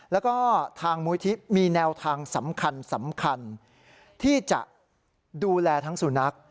แล้วก็ทางมูลที่มีแนวทางสำคัญที่จะดูแลทั้งสุนัข